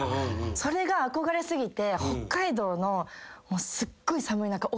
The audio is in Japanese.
それが憧れすぎて北海道のすごい寒い中。